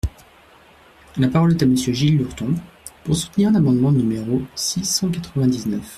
La parole est à Monsieur Gilles Lurton, pour soutenir l’amendement numéro six cent quatre-vingt-dix-neuf.